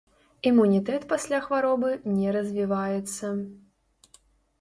Імунітэт пасля хваробы не развіваецца.